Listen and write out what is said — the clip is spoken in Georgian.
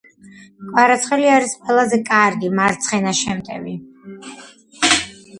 კვარაცხელია არის ყველაზე კარგი მარცხენა შემტევი